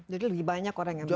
jadi lebih banyak orang yang bisa